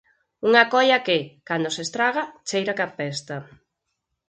Unha coia que, cando se estraga, cheira que apesta.